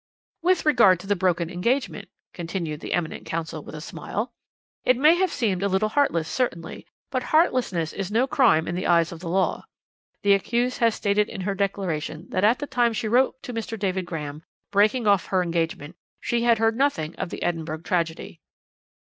"'With regard to the broken engagement,' continued the eminent counsel with a smile, 'it may have seemed a little heartless, certainly, but heartlessness is no crime in the eyes of the law. The accused has stated in her declaration that at the time she wrote to Mr. David Graham, breaking off her engagement, she had heard nothing of the Edinburgh tragedy.